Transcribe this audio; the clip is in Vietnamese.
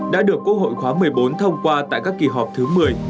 đã được quốc hội khóa một mươi bốn thông qua tại các kỳ họp thứ một mươi một mươi một